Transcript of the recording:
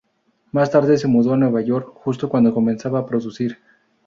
Más tarde se mudó a Nueva York, justo cuando comenzaba a producir.